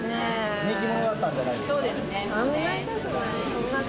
人気者だったんじゃないですか。